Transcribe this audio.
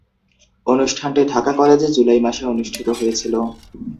অনুষ্ঠানটি ঢাকা কলেজে জুলাই মাসে অনুষ্ঠিত হয়েছিলো।